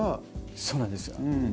そうなんですよ。